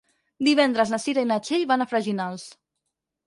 Divendres na Cira i na Txell van a Freginals.